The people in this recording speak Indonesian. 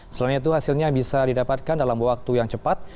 selain itu hasilnya bisa didapatkan dalam waktu yang cepat